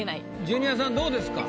ジュニアさんどうですか？